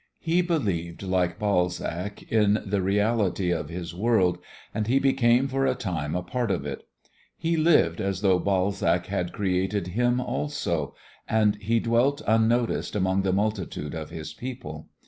He believed like Balzac in the reality of his world and he became for a time a part of it. He lived as though Balzac had created him also, and he dwelt unnoticed among the multitude of his people.